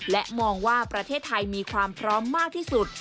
และมองว่าประเทศไทยมีความพร้อมมากที่สุด